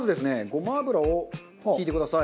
ごま油を引いてください。